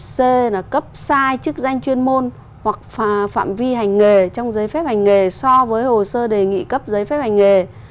c là cấp sai chức danh chuyên môn hoặc phạm vi hành nghề trong giấy phép hành nghề so với hồ sơ đề nghị cấp giấy phép hành nghề